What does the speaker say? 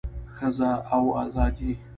ښځه او ازادي